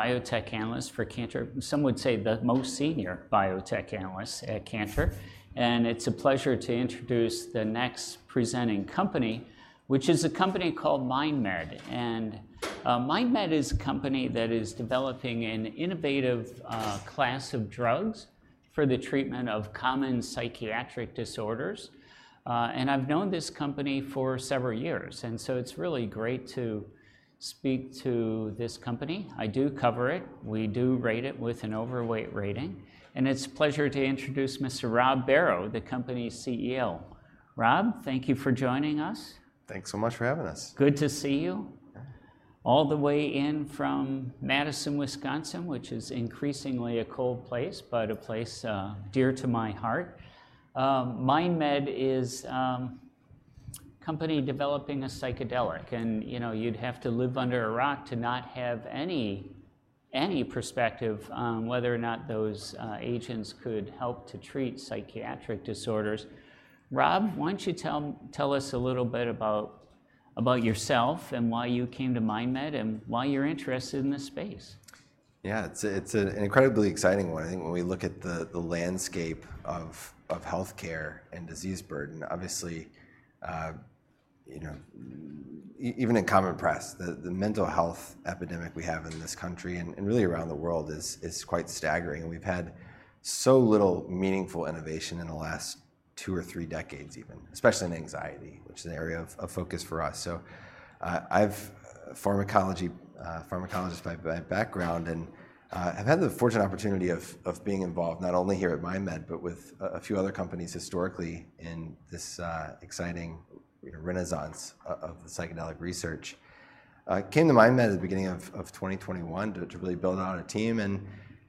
Biotech analyst for Cantor, some would say the most senior biotech analyst at Cantor, and it's a pleasure to introduce the next presenting company, which is a company called MindMed. And, MindMed is a company that is developing an innovative, class of drugs for the treatment of common psychiatric disorders. And, I've known this company for several years, and so it's really great to speak to this company. I do cover it. We do rate it with an overweight rating, and it's a pleasure to introduce Mr. Rob Barrow, the company's CEO. Rob, thank you for joining us. Thanks so much for having us. Good to see you. Yeah. All the way in from Madison, Wisconsin, which is increasingly a cold place, but a place dear to my heart. MindMed is a company developing a psychedelic, and, you know, you'd have to live under a rock to not have any perspective on whether or not those agents could help to treat psychiatric disorders. Rob, why don't you tell us a little bit about yourself, and why you came to MindMed, and why you're interested in this space? Yeah. It's an incredibly exciting one. I think when we look at the landscape of healthcare and disease burden, obviously, you know, even in common press, the mental health epidemic we have in this country and really around the world is quite staggering, and we've had so little meaningful innovation in the last two or three decades even, especially in anxiety, which is an area of focus for us. So, pharmacologist by background, and I've had the fortunate opportunity of being involved not only here at MindMed, but with a few other companies historically in this exciting, you know, renaissance of psychedelic research. I came to MindMed at the beginning of 2021 to really build out a team, and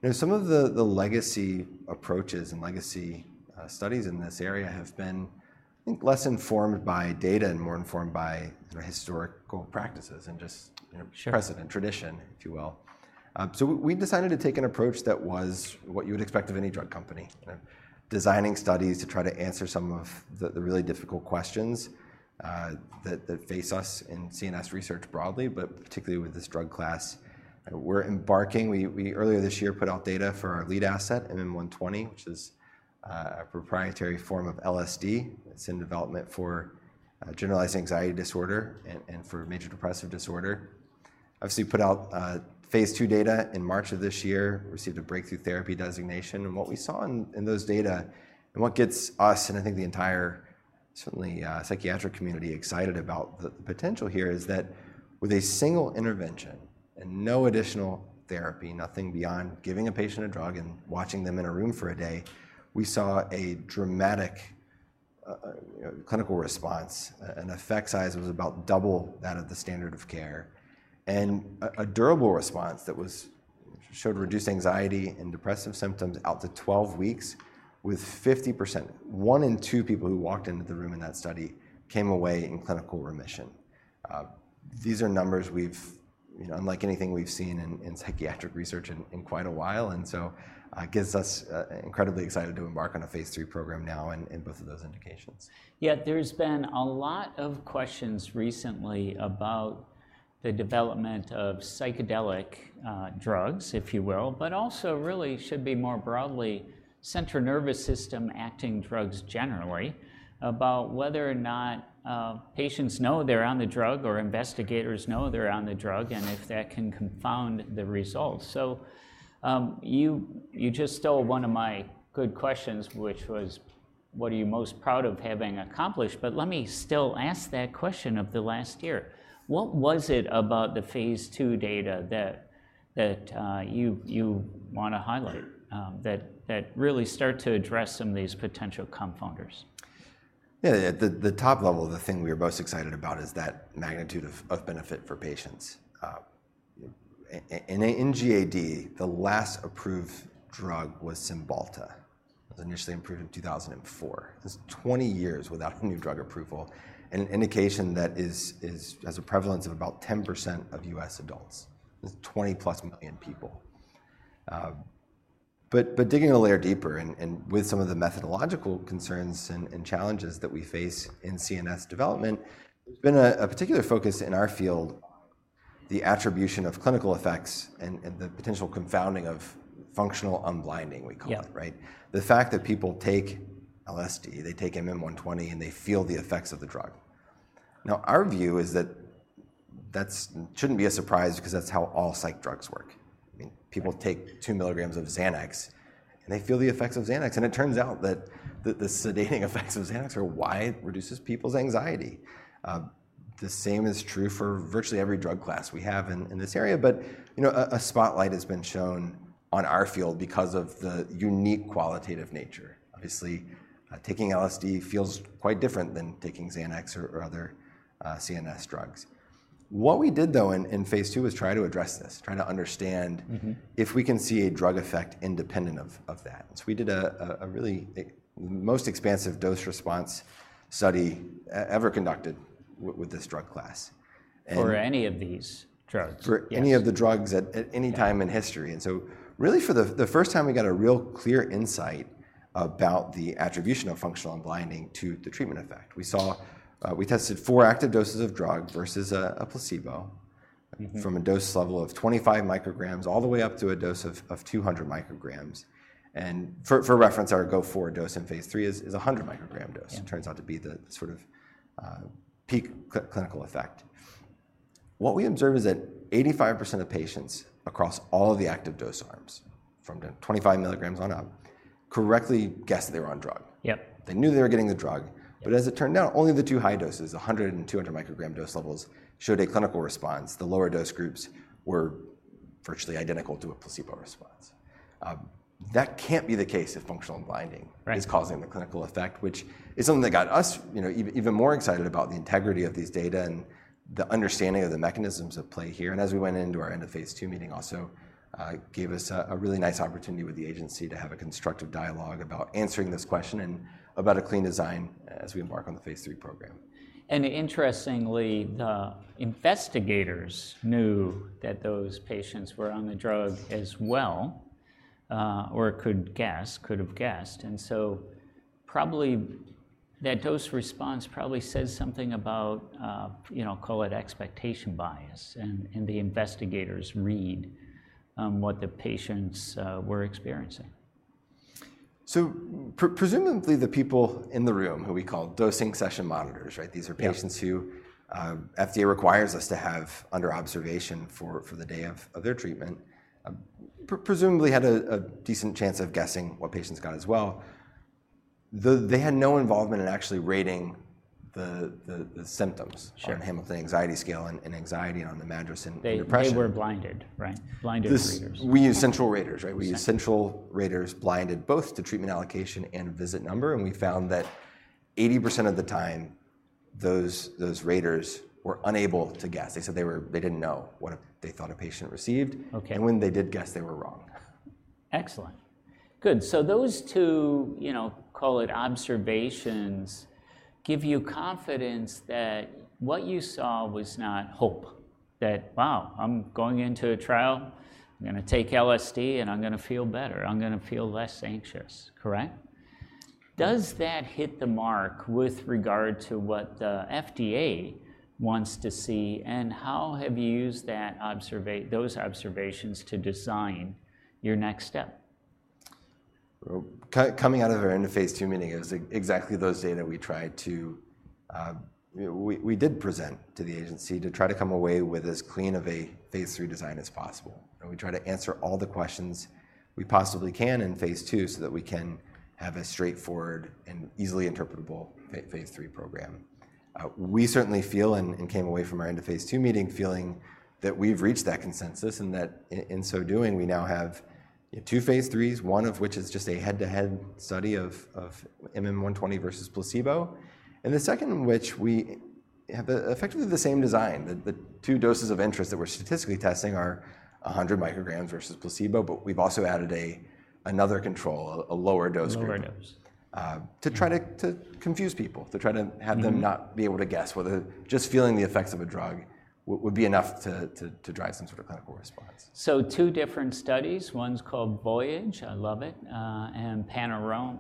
you know, some of the legacy approaches and legacy studies in this area have been, I think, less informed by data and more informed by the historical practices and just you know, precedent and tradition, if you will. So we decided to take an approach that was what you would expect of any drug company, you know, designing studies to try to answer some of the really difficult questions that face us in CNS research broadly, but particularly with this drug class. We earlier this year put out data for our lead asset, MM120, which is a proprietary form of LSD that's in development for generalized anxiety disorder and for major depressive disorder. Obviously, we put out phase II data in March of this year, received a breakthrough therapy designation, and what we saw in those data, and what gets us, and I think the entire, certainly, psychiatric community excited about the potential here, is that with a single intervention and no additional therapy, nothing beyond giving a patient a drug and watching them in a room for a day, we saw a dramatic, you know, clinical response. An effect size was about double that of the standard of care, and a durable response that showed reduced anxiety and depressive symptoms out to twelve weeks with 50%. One in two people who walked into the room in that study came away in clinical remission. These are numbers we've... You know, unlike anything we've seen in psychiatric research in quite a while, and so, it gives us incredibly excited to embark on a phase III program now in both of those indications. Yeah, there's been a lot of questions recently about the development of psychedelic drugs, if you will, but also really should be more broadly central nervous system-acting drugs generally, about whether or not patients know they're on the drug or investigators know they're on the drug- Mm... and if that can confound the results. So, you just stole one of my good questions, which was, what are you most proud of having accomplished? But let me still ask that question of the last year: What was it about the phase II data that you want to highlight, that really start to address some of these potential confounders? Yeah, the top level, the thing we are most excited about is that magnitude of benefit for patients. And in GAD, the last approved drug was Cymbalta. It was initially approved in 2004. That's 20 years without a new drug approval, and an indication that is has a prevalence of about 10% of U.S. adults. That's 20-plus million people. But digging a layer deeper and with some of the methodological concerns and challenges that we face in CNS development, there's been a particular focus in our field, the attribution of clinical effects and the potential confounding of functional unblinding, we call it. Yeah... right? The fact that people take LSD, they take MM120, and they feel the effects of the drug. Now, our view is that that shouldn't be a surprise because that's how all psych drugs work. I mean, people take two milligrams of Xanax, and they feel the effects of Xanax, and it turns out that the sedating effects of Xanax are why it reduces people's anxiety. The same is true for virtually every drug class we have in this area, but, you know, a spotlight has been shone on our field because of the unique qualitative nature. Obviously, taking LSD feels quite different than taking Xanax or other CNS drugs. What we did, though, in phase II was try to address this, try to understand- Mm-hmm... if we can see a drug effect independent of that. So we did a really most expansive dose response study ever conducted with this drug class. And- For any of these drugs. For any of the drugs at any time- Yeah... in history, and so really, for the first time, we got a real clear insight... about the attribution of functional unblinding to the treatment effect. We saw, we tested four active doses of drug versus a placebo- Mm-hmm - from a dose level of 25 micrograms, all the way up to a dose of 200 micrograms. And for reference, our go-forward dose in phase 3 is a 100-microgram dose. Yeah. It turns out to be the sort of peak clinical effect. What we observed is that 85% of patients across all of the active dose arms, from 10, 25 milligrams on up, correctly guessed they were on drug. Yep. They knew they were getting the drug. Yeah. But as it turned out, only the two high doses, 100 and 200 microgram dose levels, showed a clinical response. The lower dose groups were virtually identical to a placebo response. That can't be the case if functional unblinding. Right... is causing the clinical effect, which is something that got us, you know, even more excited about the integrity of these data and the understanding of the mechanisms at play here, and as we went into our end-of-phase-two meeting, also gave us a really nice opportunity with the agency to have a constructive dialogue about answering this question, and about a clean design as we embark on the phase three program. And interestingly, the investigators knew that those patients were on the drug as well, or could guess, could have guessed. And so probably, that dose response probably says something about, you know, call it expectation bias, and the investigators read what the patients were experiencing. So presumably, the people in the room, who we call dosing session monitors, right? Yeah. These are patients who FDA requires us to have under observation for the day of their treatment. Presumably had a decent chance of guessing what patients got as well. They had no involvement in actually rating the symptoms- Sure... on the Hamilton Anxiety Scale, and anxiety on the MADRS and depression. They were blinded, right? Blinded raters. We use central raters, right? Central. We use central raters blinded both to treatment allocation and visit number, and we found that 80% of the time, those raters were unable to guess. They said they didn't know what they thought a patient received. Okay. When they did guess, they were wrong. Excellent. Good, so those two, you know, call it observations, give you confidence that what you saw was not hope. That, "Wow, I'm going into a trial. I'm gonna take LSD, and I'm gonna feel better. I'm gonna feel less anxious," correct? Does that hit the mark with regard to what the FDA wants to see, and how have you used those observations to design your next step? Coming out of our end-of-phase-two meeting is exactly those data we tried to. You know, we did present to the agency to try to come away with as clean of a phase three design as possible. We try to answer all the questions we possibly can in phase two, so that we can have a straightforward and easily interpretable phase three program. We certainly feel and came away from our end-of-phase-two meeting feeling that we've reached that consensus, and that in so doing, we now have two phase threes, one of which is just a head-to-head study of MM120 versus placebo, and the second which we have effectively the same design. The two doses of interest that we're statistically testing are 100 micrograms versus placebo, but we've also added another control, a lower dose group. Lower dose... to try to confuse people, to try to have them- Mm-hmm... not be able to guess whether just feeling the effects of a drug would be enough to drive some sort of clinical response. So two different studies. One's called Voyage. I love it. And Panorama.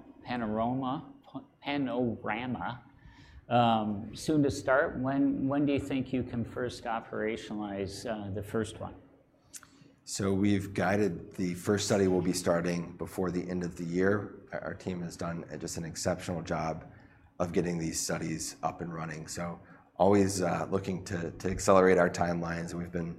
Soon to start. When do you think you can first operationalize the first one? So we've guided the first study will be starting before the end of the year. Our team has done just an exceptional job of getting these studies up and running, so always looking to accelerate our timelines, and we've been,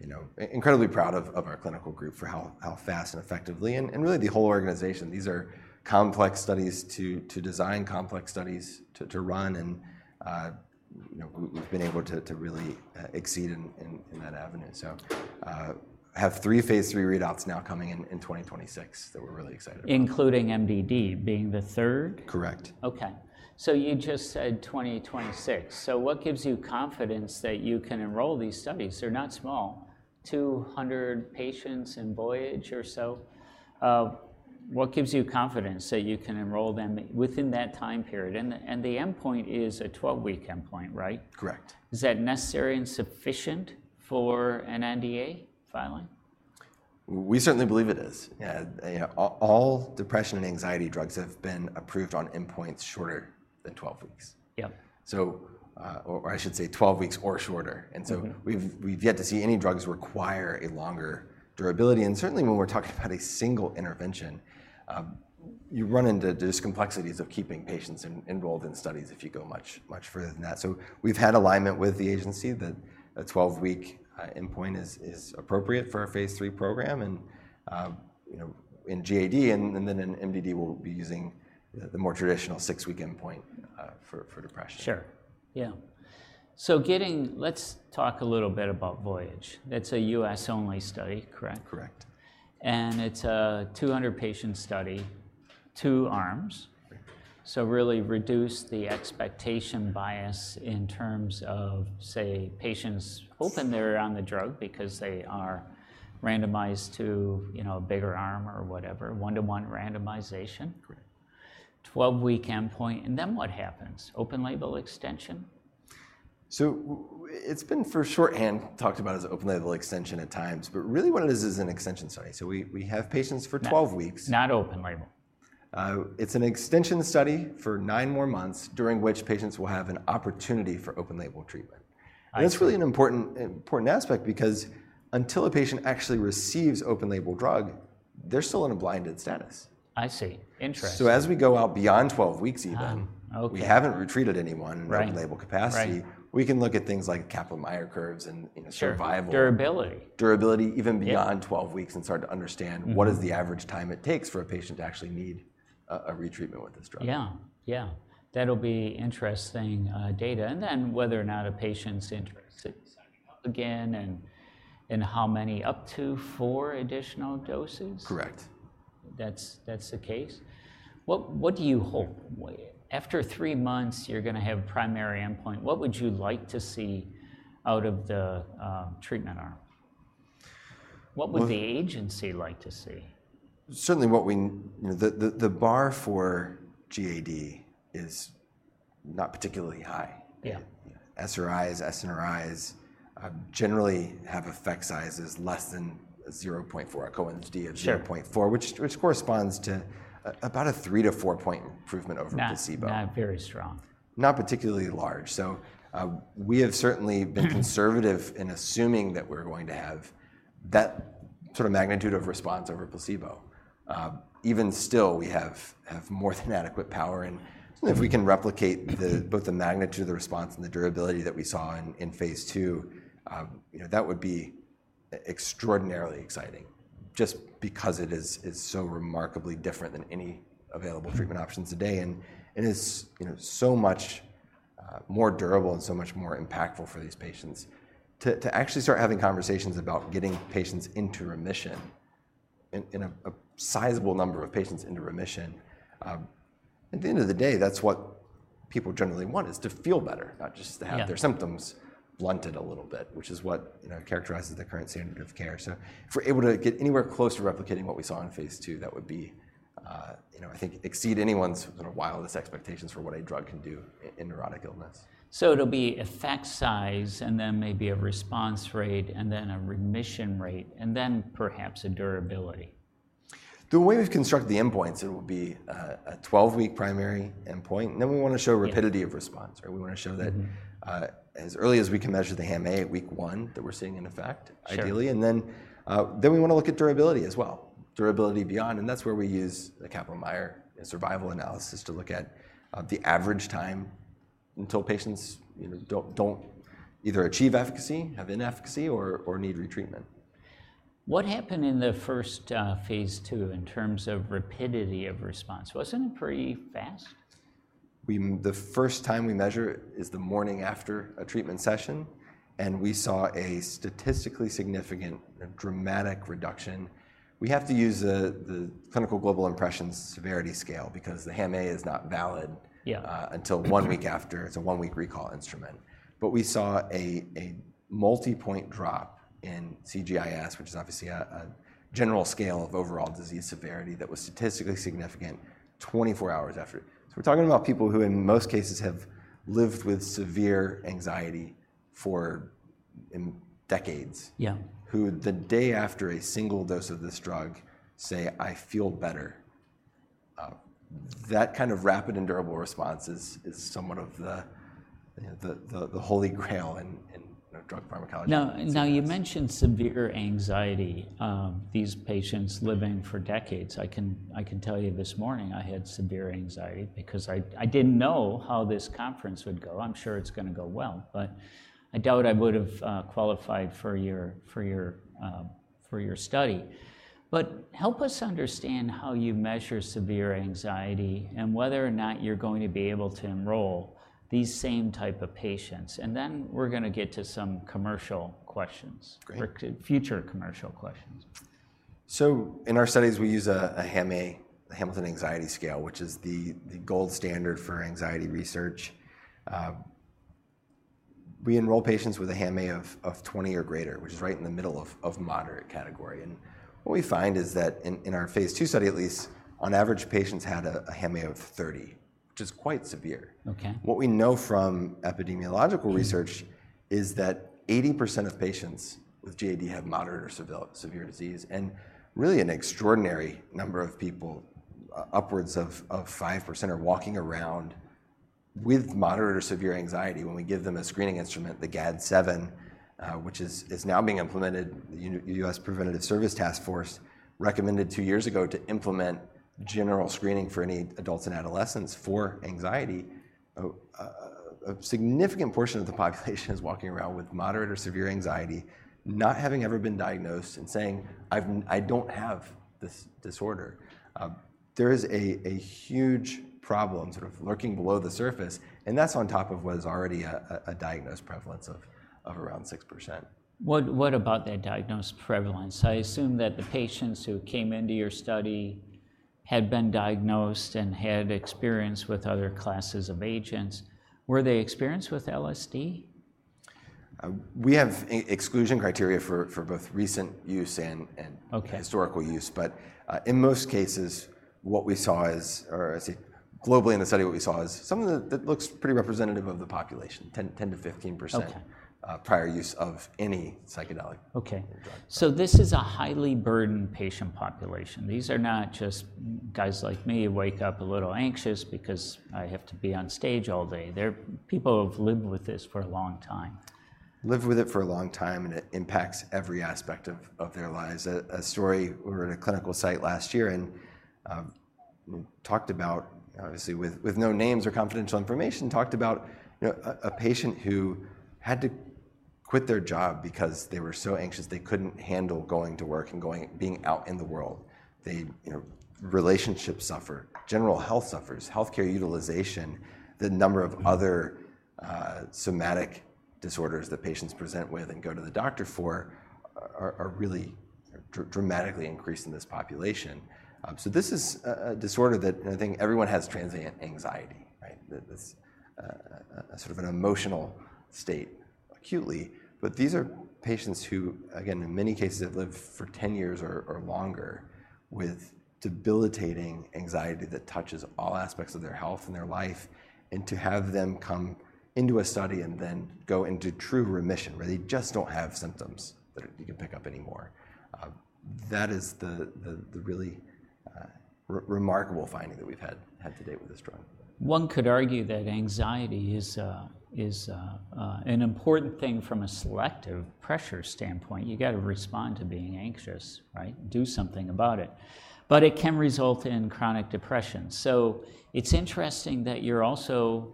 you know, incredibly proud of our clinical group for how fast and effectively, and really the whole organization. These are complex studies to design, complex studies to run, and, you know, we've been able to really exceed in that avenue. So, have three phase 3 readouts now coming in 2026, that we're really excited about. Including MDD being the third? Correct. Okay. So you just said 2026. So what gives you confidence that you can enroll these studies? They're not small. 200 patients in Voyage, or so. What gives you confidence that you can enroll them within that time period? And the endpoint is a 12-week endpoint, right? Correct. Is that necessary and sufficient for an NDA filing? We certainly believe it is, yeah. All depression and anxiety drugs have been approved on endpoints shorter than 12 weeks. Yep. Or I should say 12 weeks or shorter. Mm-hmm. And so we've yet to see any drugs require a longer durability, and certainly when we're talking about a single intervention, you run into just complexities of keeping patients enrolled in studies if you go much, much further than that. So we've had alignment with the agency that a 12-week endpoint is appropriate for a phase three program, and, you know, in GAD, and then in MDD, we'll be using the more traditional six-week endpoint for depression. Sure, yeah. Let's talk a little bit about Voyage. It's a U.S.-only study, correct? Correct. It's a 200-patient study, two arms. Right. So really reduce the expectation bias in terms of, say, patients- Yes... hoping they're on the drug because they are randomized to, you know, a bigger arm or whatever. One-to-one randomization. Correct. 12-week endpoint, and then what happens? Open-label extension?... So it's been, for shorthand, talked about as an open-label extension at times, but really what it is is an extension study. So we have patients for 12 weeks- Not, not open label? It's an extension study for nine more months, during which patients will have an opportunity for open-label treatment. I see. That's really an important, important aspect because until a patient actually receives open-label drug, they're still in a blinded status. I see. Interesting. So as we go out beyond 12 weeks even- Ah, okay... we haven't recruited anyone- Right... in random label capacity. Right. We can look at things like Kaplan-Meier curves and survival- Sure. Durability... durability even beyond- Yeah... 12 weeks and start to understand- Mm-hmm... What is the average time it takes for a patient to actually need a retreatment with this drug? Yeah, yeah. That'll be interesting data, and then whether or not a patient's interested in signing up again and how many, up to four additional doses? Correct. That's, that's the case. What, what do you hope? After three months, you're gonna have primary endpoint. What would you like to see out of the treatment arm? Well- What would the agency like to see? Certainly what we... You know, the bar for GAD is not particularly high. Yeah. SRIs, SNRIs, generally have effect sizes less than 0.4, a Cohen's d of 0.4- Sure... which corresponds to about a three-to-four-point improvement over placebo. Not, not very strong. Not particularly large. So, we have certainly been conservative in assuming that we're going to have that sort of magnitude of response over placebo. Even still, we have more than adequate power, and- Sure... if we can replicate both the magnitude of the response and the durability that we saw in phase two, you know, that would be extraordinarily exciting just because it is so remarkably different than any available treatment options today. And it is, you know, so much more durable and so much more impactful for these patients. To actually start having conversations about getting patients into remission in a sizable number of patients into remission, at the end of the day, that's what people generally want is to feel better, not just to have- Yeah... their symptoms blunted a little bit, which is what, you know, characterizes the current standard of care. So if we're able to get anywhere close to replicating what we saw in phase two, that would be, you know, I think exceed anyone's, you know, wildest expectations for what a drug can do in neurotic illness. So it'll be effect size and then maybe a response rate and then a remission rate and then perhaps a durability. The way we've constructed the endpoints, it will be a 12-week primary endpoint, and then we want to show rapidity- Yeah... of response, or we want to show that- Mm-hmm... as early as we can measure the HAM-A at week one, that we're seeing an effect- Sure... ideally, and then, then we want to look at durability as well, durability beyond, and that's where we use the Kaplan-Meier and survival analysis to look at the average time until patients, you know, don't, don't either achieve efficacy, have inefficacy, or, or need retreatment. What happened in the first phase two in terms of rapidity of response? Wasn't it pretty fast? The first time we measure it is the morning after a treatment session, and we saw a statistically significant and dramatic reduction. We have to use the Clinical Global Impressions - Severity Scale because the HAM-A is not valid- Yeah... until one week after. Mm-hmm. It's a one-week recall instrument. But we saw a multipoint drop in CGIS, which is obviously a general scale of overall disease severity that was statistically significant 24 hours after. So we're talking about people who, in most cases, have lived with severe anxiety for, in decades- Yeah... who, the day after a single dose of this drug, say, "I feel better." That kind of rapid and durable response is somewhat of the Holy Grail in, you know, drug pharmacology. Now, you mentioned severe anxiety, these patients living for decades. I can tell you, this morning I had severe anxiety because I didn't know how this conference would go. I'm sure it's gonna go well, but I doubt I would've qualified for your study. But help us understand how you measure severe anxiety and whether or not you're going to be able to enroll these same type of patients, and then we're gonna get to some commercial questions. Great... or to future commercial questions. So in our studies, we use a HAM-A, a Hamilton Anxiety Scale, which is the gold standard for anxiety research. We enroll patients with a HAM-A of 20 or greater, which is right in the middle of moderate category, and what we find is that in our phase two study, at least, on average, patients had a HAM-A of 30, which is quite severe. Okay. What we know from epidemiological research. Mm... is that 80% of patients with GAD have moderate or severe disease, and really an extraordinary number of people, upwards of 5%, are walking around with moderate or severe anxiety when we give them a screening instrument, the GAD-7, which is now being implemented. The U.S. Preventive Services Task Force recommended two years ago to implement general screening for any adults and adolescents for anxiety. A significant portion of the population is walking around with moderate or severe anxiety, not having ever been diagnosed and saying, "I don't have this disorder." There is a huge problem sort of lurking below the surface, and that's on top of what is already a diagnosed prevalence of around 6%. What about that diagnosed prevalence? I assume that the patients who came into your study had been diagnosed and had experience with other classes of agents. Were they experienced with LSD?... we have exclusion criteria for both recent use and- Okay. -historical use. But, in most cases, what we saw is, or I see, globally in the study, what we saw is something that looks pretty representative of the population, 10-15%. Okay. prior use of any psychedelic. Okay. Yeah. This is a highly burdened patient population. These are not just guys like me who wake up a little anxious because I have to be on stage all day. They're people who have lived with this for a long time. Lived with it for a long time, and it impacts every aspect of their lives. A story, we were at a clinical site last year, and talked about, obviously, with no names or confidential information, talked about, you know, a patient who had to quit their job because they were so anxious they couldn't handle going to work and going... being out in the world. They, you know, relationships suffer, general health suffers, healthcare utilization, the number of other somatic disorders that patients present with and go to the doctor for are really dramatically increased in this population. So this is a disorder that... I think everyone has transient anxiety, right? This is a sort of an emotional state, acutely. But these are patients who, again, in many cases, have lived for ten years or longer with debilitating anxiety that touches all aspects of their health and their life. And to have them come into a study and then go into true remission, where they just don't have symptoms that you can pick up anymore, that is the really remarkable finding that we've had to date with this drug. One could argue that anxiety is an important thing from a selective pressure standpoint. You gotta respond to being anxious, right? Do something about it. But it can result in chronic depression. So it's interesting that you're also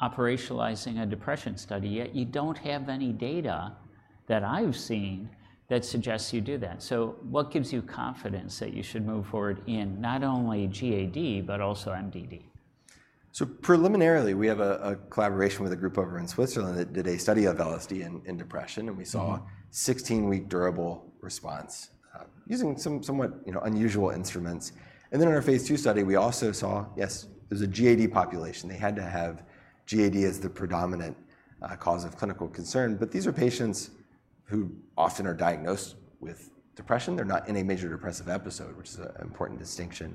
operationalizing a depression study, yet you don't have any data that I've seen that suggests you do that. So what gives you confidence that you should move forward in not only GAD but also MDD? So preliminarily, we have a collaboration with a group over in Switzerland that did a study of LSD in depression, and we saw- Mm... sixteen-week durable response, using somewhat, you know, unusual instruments. And then in our phase II study, we also saw, yes, there was a GAD population. They had to have GAD as the predominant cause of clinical concern, but these are patients who often are diagnosed with depression. They're not in a major depressive episode, which is a important distinction,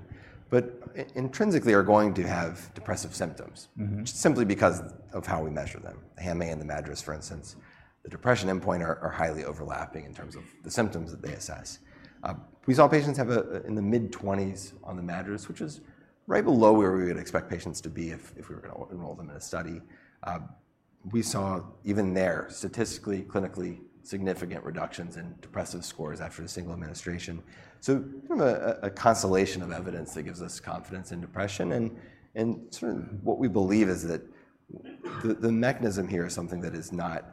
but intrinsically, are going to have depressive symptoms- Mm-hmm... just simply because of how we measure them. The HAM-A and the MADRS, for instance, the depression endpoint are highly overlapping in terms of the symptoms that they assess. We saw patients have a in the mid-twenties on the MADRS, which is right below where we would expect patients to be if we were gonna enroll them in a study. We saw even there, statistically, clinically significant reductions in depressive scores after a single administration, so kind of a constellation of evidence that gives us confidence in depression. And sort of what we believe is that the mechanism here is something that is not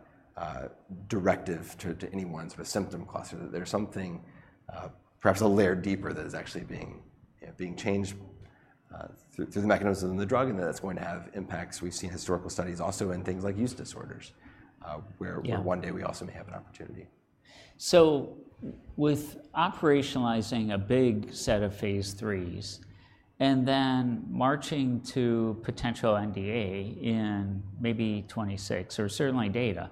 directive to anyone's symptom cluster, that there's something perhaps a layer deeper that is actually being changed through the mechanisms of the drug, and that's going to have impacts. We've seen historical studies also in things like use disorders, where- Yeah... where one day we also may have an opportunity. So with operationalizing a big set of phase IIIs and then marching to potential NDA in maybe 2026, or certainly data,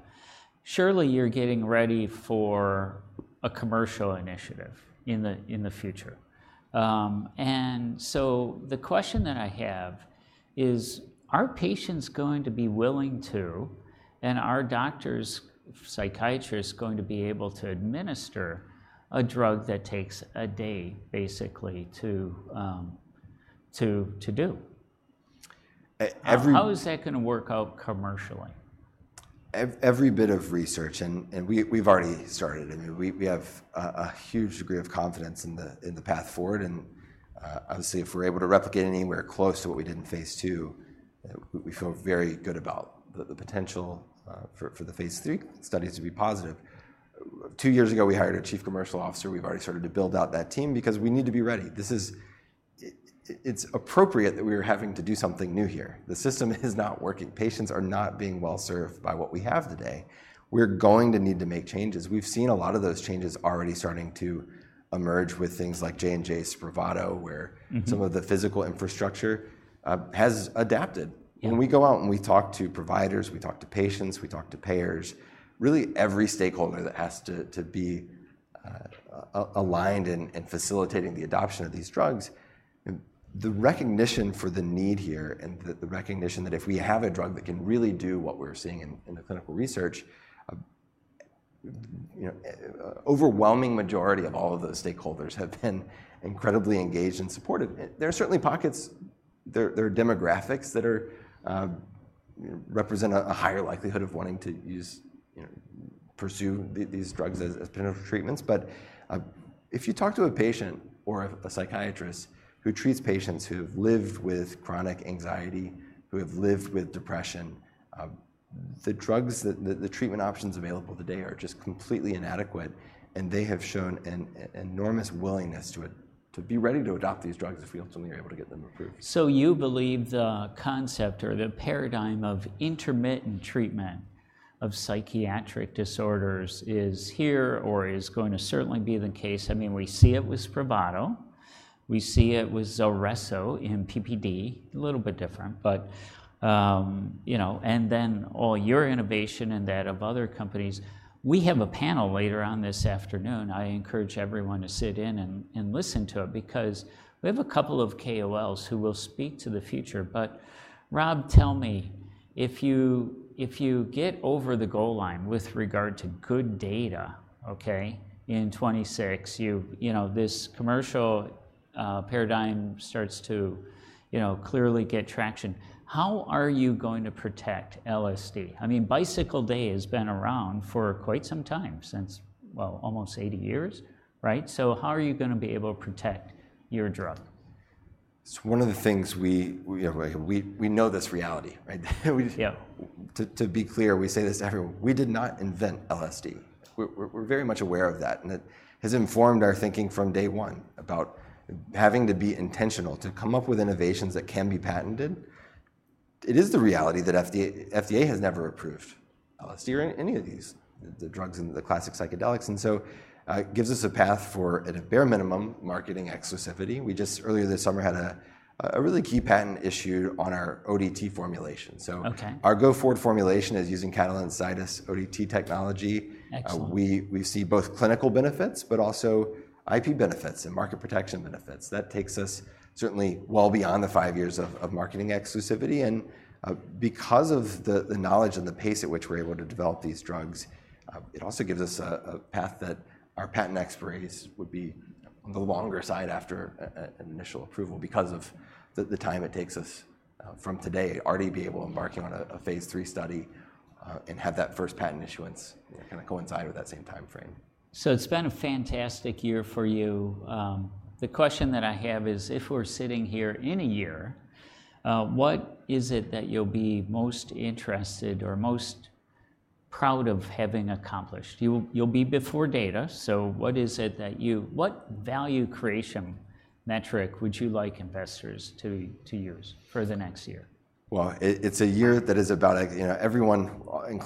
surely you're getting ready for a commercial initiative in the future. And so the question that I have is: Are patients going to be willing to, and are doctors, psychiatrists, going to be able to administer a drug that takes a day, basically, to do? Uh, every- How is that gonna work out commercially? Every bit of research, and we’ve already started. I mean, we have a huge degree of confidence in the path forward, and obviously, if we're able to replicate anywhere close to what we did in phase II, we feel very good about the potential for the phase III studies to be positive. Two years ago, we hired a Chief Commercial Officer. We’ve already started to build out that team because we need to be ready. This is. It’s appropriate that we are having to do something new here. The system is not working. Patients are not being well served by what we have today. We’re going to need to make changes. We’ve seen a lot of those changes already starting to emerge with things like J&J’s Spravato, where- Mm-hmm... some of the physical infrastructure has adapted. Yeah. When we go out and we talk to providers, we talk to patients, we talk to payers, really every stakeholder that has to be aligned in facilitating the adoption of these drugs, and the recognition for the need here and the recognition that if we have a drug that can really do what we're seeing in the clinical research, you know, overwhelming majority of all of the stakeholders have been incredibly engaged and supportive. There are certainly pockets... There are demographics that represent a higher likelihood of wanting to use, you know, pursue these drugs as treatments. But, if you talk to a patient or a psychiatrist who treats patients who have lived with chronic anxiety, who have lived with depression, the drugs that... The treatment options available today are just completely inadequate, and they have shown an enormous willingness to be ready to adopt these drugs if we ultimately are able to get them approved. So you believe the concept or the paradigm of intermittent treatment of psychiatric disorders is here or is going to certainly be the case. I mean, we see it with Spravato. We see it with Zulresso in PPD, a little bit different, but, you know, and then all your innovation and that of other companies. We have a panel later on this afternoon. I encourage everyone to sit in and listen to it because we have a couple of KOLs who will speak to the future. But Rob, tell me, if you, if you get over the goal line with regard to good data, okay, in 2026, you know, this commercial paradigm starts to, you know, clearly get traction, how are you going to protect LSD? I mean, Bicycle Day has been around for quite some time, since, well, almost eighty years, right? How are you going to be able to protect your drug? It's one of the things we know this reality, right? We- Yeah. To be clear, we say this to everyone. We did not invent LSD. We're very much aware of that, and it has informed our thinking from day one about having to be intentional, to come up with innovations that can be patented. It is the reality that FDA has never approved LSD or any of these drugs in the classic psychedelics, and so it gives us a path for, at a bare minimum, marketing exclusivity. We just earlier this summer had a really key patent issued on our ODT formulation, so- Okay. Our go-forward formulation is using Catalent Zydis ODT technology. Excellent. We see both clinical benefits, but also IP benefits and market protection benefits. That takes us certainly well beyond the five years of marketing exclusivity, and because of the knowledge and the pace at which we're able to develop these drugs, it also gives us a path that our patent expiries would be on the longer side after an initial approval because of the time it takes us from today to already be able to embarking on a phase III study, and have that first patent issuance, you know, kind of coincide with that same timeframe. It's been a fantastic year for you. The question that I have is, if we're sitting here in a year, what is it that you'll be most interested or most proud of having accomplished? You'll be before data, so what is it that you... What value creation metric would you like investors to use for the next year? It's a year that is about, like, you know, everyone,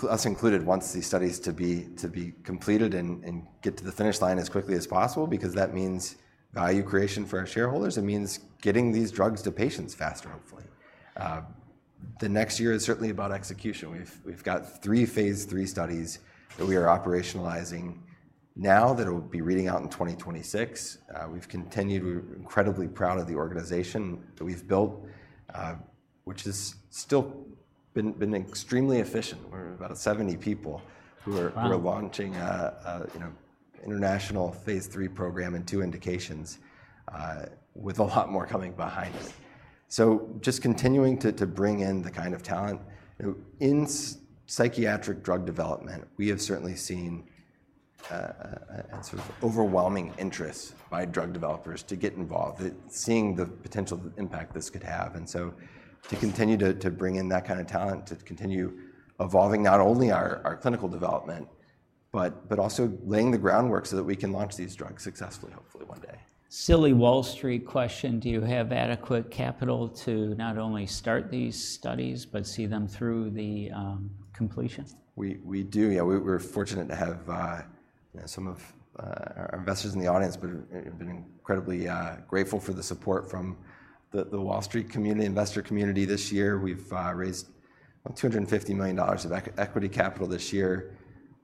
us included, wants these studies to be completed and get to the finish line as quickly as possible because that means value creation for our shareholders. It means getting these drugs to patients faster, hopefully. The next year is certainly about execution. We've got three phase III studies that we are operationalizing now that will be reading out in 2026. We've continued. We're incredibly proud of the organization that we've built, which has still been extremely efficient. We're about seventy people- Wow! Who we are, we're launching a, you know, international phase III program and two indications, with a lot more coming behind it. So just continuing to bring in the kind of talent. In psychiatric drug development, we have certainly seen a sort of overwhelming interest by drug developers to get involved, they're seeing the potential impact this could have. And so to continue to bring in that kind of talent, to continue evolving not only our clinical development, but also laying the groundwork so that we can launch these drugs successfully, hopefully one day. Silly Wall Street question: Do you have adequate capital to not only start these studies but see them through the completions? We do. Yeah, we're fortunate to have, you know, some of our investors in the audience, but we've been incredibly grateful for the support from the Wall Street community, investor community this year. We've raised about $250 million of equity capital this year,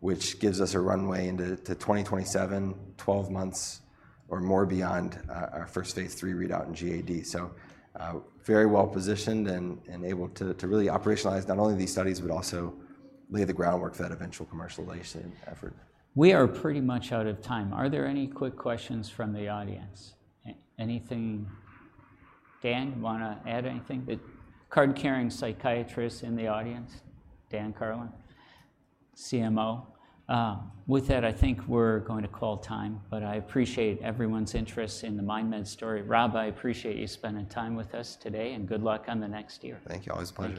which gives us a runway into 2027, 12 months or more beyond our first phase III readout in GAD. So, very well positioned and able to really operationalize not only these studies, but also lay the groundwork for that eventual commercialization effort. We are pretty much out of time. Are there any quick questions from the audience? Anything... Dan, you want to add anything? The card-carrying psychiatrist in the audience, Dan Karlin, CMO. With that, I think we're going to call time, but I appreciate everyone's interest in the MindMed story. Rob, I appreciate you spending time with us today, and good luck on the next year. Thank you. Always a pleasure.